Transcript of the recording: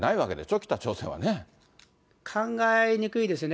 北朝鮮はね。考えにくいですね。